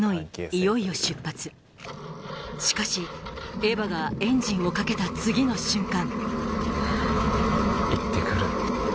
いよいよ出発しかしエバがエンジンをかけた次の瞬間